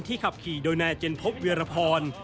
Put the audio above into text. ขับขี่โดยนายเจนพบเวียรพร